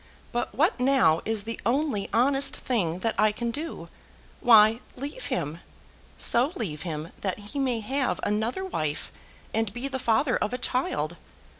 But what now is the only honest thing that I can do? Why, leave him; so leave him that he may have another wife and be the father of a child.